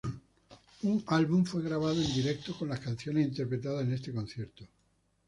Un álbum fue grabado en directo con las canciones interpretadas en este concierto.